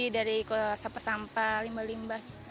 dari sampah sampah limbah limbah